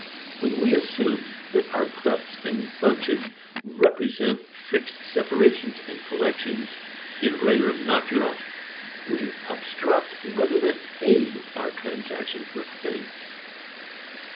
When we assume that our clefts and bunches represent fixed separations and collections in rerum natura, we obstruct rather than aid our transactions with things.